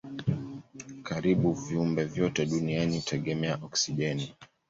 Karibu viumbe vyote duniani hutegemea oksijeni.